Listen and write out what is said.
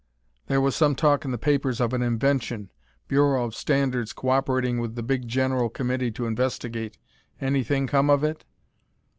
There was some talk in the papers of an invention Bureau of Standards cooperating with the big General Committee to investigate. Anything come of it?"